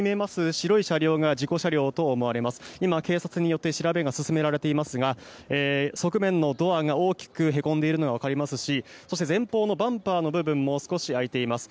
白い車両が事故車とみられますが今、警察によって調べが進められていますが側面のドアが大きくへこんでいるのが分かりますしそして前方のバンパーの部分も少し開いています。